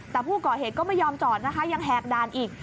แต่ผู้ก่อเหตุก็ไม่ยอมจอดนะคะยังแหกด่านอีก